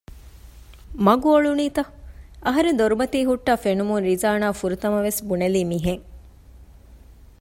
މަގު އޮޅުނީތަ؟ އަހަރެން ދޮރުމަތީ ހުއްޓައި ފެނުމުން ރިޒާނާ ފުރަތަމަ ވެސް ބުނެލީ މިހެން